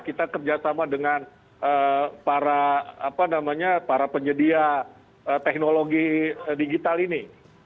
kita kerjasama dengan para penyedia teknologi digital ini